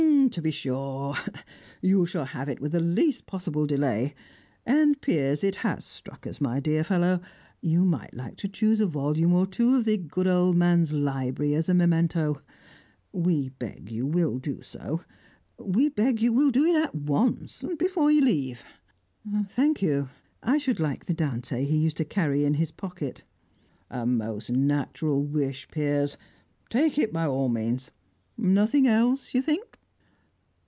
"To be sure! You shall have it with the least possible delay. And, Piers, it has struck us, my dear fellow, that you might like to choose a volume or two of the good old man's library as a memento. We beg you will do so. We beg you will do it at once, before you leave." "Thank you. I should like the Dante he used to carry in his pocket." "A most natural wish, Piers. Take it by all means. Nothing else, you think?"